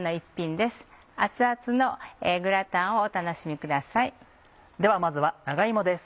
ではまずは長芋です。